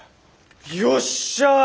よっしゃ。